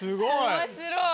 面白い。